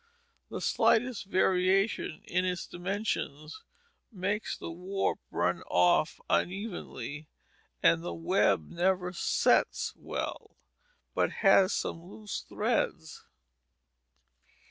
The slightest variation in its dimensions makes the warp run off unevenly, and the web never "sets" well, but has some loose threads.